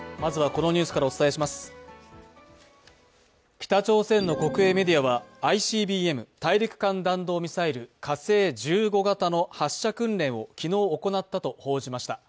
北朝鮮の国営メディアはＩＣＢＭ＝大陸間弾道ミサイル、火星１５型の発射訓練を昨日行ったと報じました。